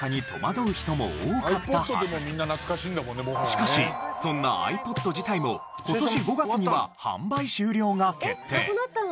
しかしそんなｉＰｏｄ自体も今年５月には販売終了が決定。